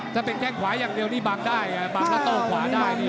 ถ้าเป็นแค่งขวาอย่างเดียวนี่บังได้บังแล้วโต้ขวาได้นี่